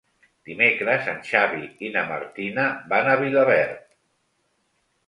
Dimecres en Xavi i na Martina van a Vilaverd.